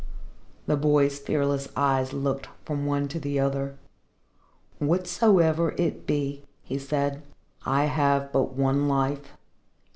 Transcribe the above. The boy's fearless eyes looked from one to the other. "Whatsoever it be," he said, "I have but one life.